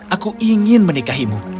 aku ingin menikahimu